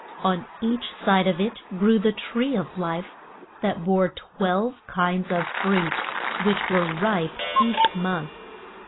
On each side of it grew the tree of life that bore twelve kinds of fruit, which were ripe each month.